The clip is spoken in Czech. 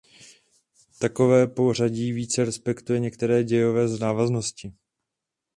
Takové pořadí více respektuje některé dějové návaznosti.